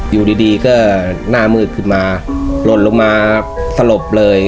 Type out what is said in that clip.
อยู่ดีดีก็หน้ามืดขึ้นมาหล่นลงมาสลบเลย